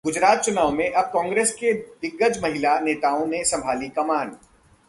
गुजरात चुनाव में अब कांग्रेस की दिग्गज महिला नेताओं ने संभाली कमान